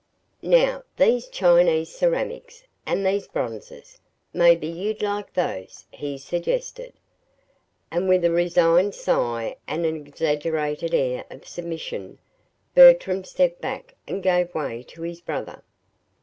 Now these Chinese ceramics, and these bronzes maybe you'd like those," he suggested. And with a resigned sigh and an exaggerated air of submission, Bertram stepped back and gave way to his brother.